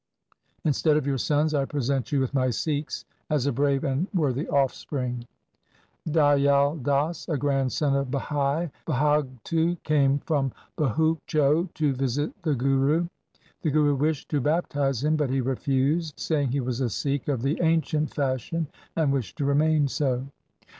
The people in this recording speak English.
Instead of your sons I present you with my Sikhs as a brave and worthy offspring.' Dayal Das, a grandson of Bhai Bhagtu, came from Bhuchcho to visit the Guru. The Guru wished to baptize him, but he refused, saying he was a Sikh of the ancient fashion and wished to remain so.